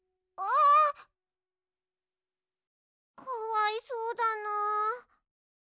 かわいそうだな。